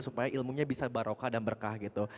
supaya ilmunya bisa barokah dan berkah gitu